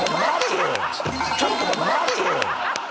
ちょっと待てぃ！！